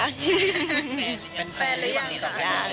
แฟนหรือยัง